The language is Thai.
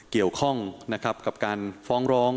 เกี่ยวข้องนะครับกับการฟ้องร้อง